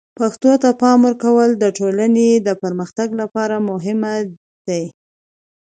پښتو ته د پام ورکول د ټولنې د پرمختګ لپاره مهم دي.